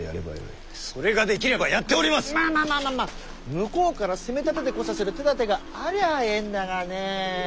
向こうから攻めたててこさせる手だてがありゃあええんだがね。